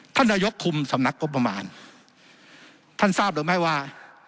ท่านนายกคุมสำนักงบประมาณท่านทราบหรือไม่ว่า